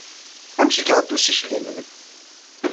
Amek ay iɛedda ussikel-nnem?